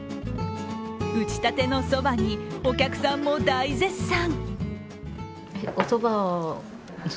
打ち立てのそばに、お客さんも大絶賛。